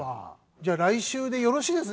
じゃあ来週でよろしいですね？